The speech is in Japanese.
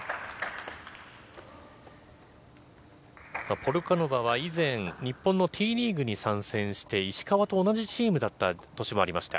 ポルカノバは以前、日本のＴリーグに参戦して、石川と同じチームの年もありました。